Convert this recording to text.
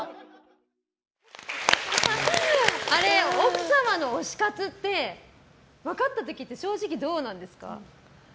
奥様の推し活って分かった時って正直どうなんですか？